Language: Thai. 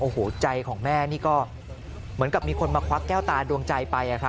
โอ้โหใจของแม่นี่ก็เหมือนกับมีคนมาควักแก้วตาดวงใจไป